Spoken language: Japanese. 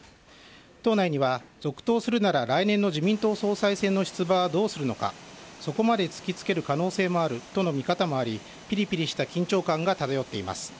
党内には続投するなら来年の自民党総裁選の出馬はどうするのか、そこまで突きつける可能性もあるとの見方もあり、ぴりぴりした緊張感が漂っています。